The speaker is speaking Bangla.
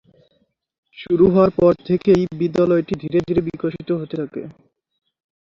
শুরু হওয়ার পর থেকেই বিদ্যালয়টি ধীরে ধীরে বিকশিত হতে থাকে।